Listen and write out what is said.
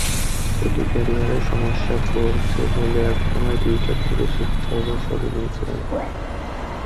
এটি ক্যারিয়ারে সমস্যা করছে বলে একসময় টুইটার থেকে স্বেচ্ছা অবসরও নিয়েছিলেন।